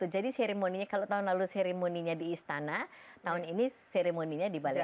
jadi seremoninya kalau tahun lalu seremoninya di istana tahun ini seremoninya di balai agung